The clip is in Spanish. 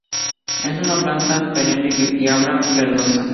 Es una planta perenne, glabra, verdosa.